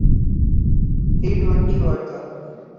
T twenty world ک